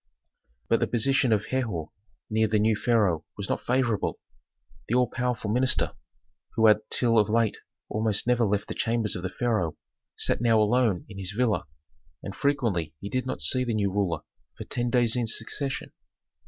But the position of Herhor near the new pharaoh was not favorable. The all powerful minister, who had till of late almost never left the chambers of the pharaoh, sat now alone in his villa, and frequently he did not see the new ruler for ten days in succession.